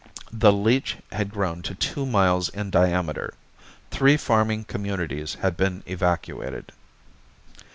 The leech had grown to two miles in diameter. Three farming communities had been evacuated.